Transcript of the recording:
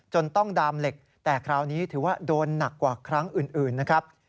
ต้องดามเหล็กแต่คราวนี้ถือว่าโดนหนักกว่าครั้งอื่นนะครับ